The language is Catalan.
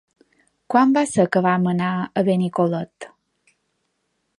Quan va ser que vam anar a Benicolet?